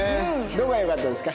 どこがよかったですか？